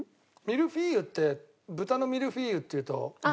ミルフィーユって豚のミルフィーユっていうと豚が。